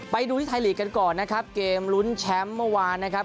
ไปดูที่ไทยลีกกันก่อนนะครับเกมลุ้นแชมป์เมื่อวานนะครับ